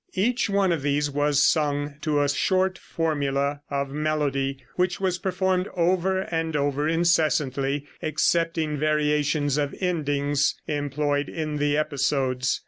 Each one of these was sung to a short formula of melody, which was performed over and over incessantly, excepting variations of endings employed in the episodes.